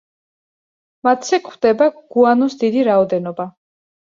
მათზე გვხვდება გუანოს დიდი რაოდენობა.